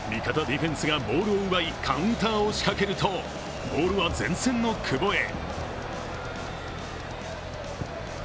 ディフェンスがボールを奪いカウンターを仕掛けるとボールは前線の久保へ。